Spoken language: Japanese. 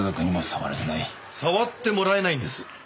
触ってもらえないんです。